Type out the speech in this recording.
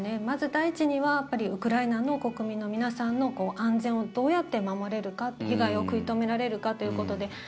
まず第一にはウクライナの国民の皆さんの安全をどうやって守れるか被害を食い止められるかということで。